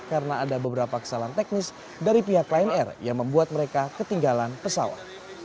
karena ada beberapa kesalahan teknis dari pihak lion air yang membuat mereka ketinggalan pesawat